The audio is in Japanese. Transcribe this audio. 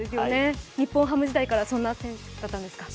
日本ハム時代から、そんな選手だったんですか？